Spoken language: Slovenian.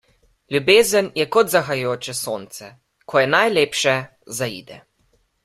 Ljubezen je kot zahajajoče sonce; ko je najlepše, zaide.